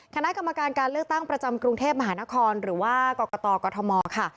คณะกรรมการการเลือกตั้งประจำกรุงเทพมหานครหรือว่ากรกตกรทมค่ะ